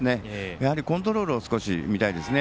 やはりコントロールを見たいです。